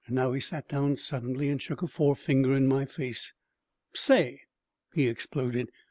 Now he sat down suddenly and shook a forefinger in my face. "Say!" he exploded.